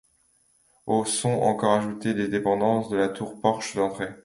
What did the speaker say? Au sont encore ajoutées des dépendances et la tour-porche d'entrée.